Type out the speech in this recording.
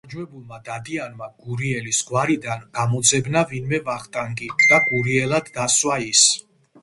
გამარჯვებულმა დადიანმა გურიელის გვარიდან გამოძებნა ვინმე ვახტანგი და გურიელად დასვა ის.